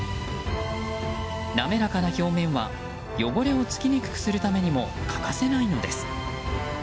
滑らかな表面は汚れを付きにくくするためにも欠かせないのです。